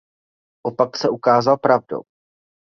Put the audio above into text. Opak se ukázal pravdou.